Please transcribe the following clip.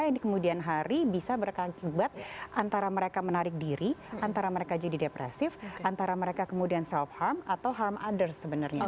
yang di kemudian hari bisa berkankibat antara mereka menarik diri antara mereka jadi depresif antara mereka kemudian self harm atau harm other sebenarnya